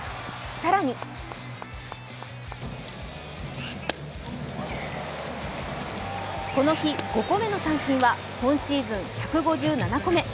更にこの日、５個目の三振は今シーズン１５７個目。